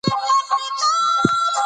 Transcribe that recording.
د نجونو زده کړه د ټولنې يووالی ټينګ ساتي.